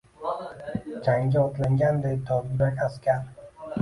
Jangga otlanganday dovyurak askar